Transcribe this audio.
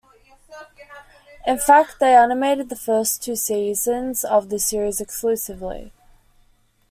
In fact, they animated the first two seasons of the series exclusively.